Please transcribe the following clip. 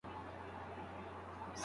آیا چای تر کافي کم کافین لري؟